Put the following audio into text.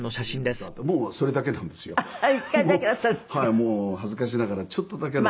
もう恥ずかしながらちょっとだけの。